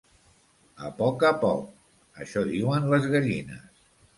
A poc, a poc! —Això diuen les gallines!